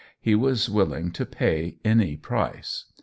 He was willing to pay any price.